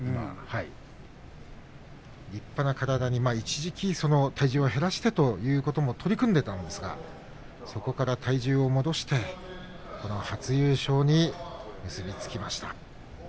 立派な体に一時期、体重を減らしてということも取り組んでいたんですがそこから体重を戻してこの初優勝に結び付きました。